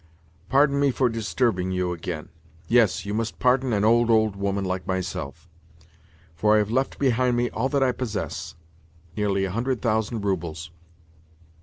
"Pardon me for disturbing you again. Yes, you must pardon an old, old woman like myself, for I have left behind me all that I possess—nearly a hundred thousand roubles!